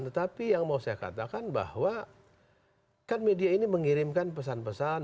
tetapi yang mau saya katakan bahwa kan media ini mengirimkan pesan pesan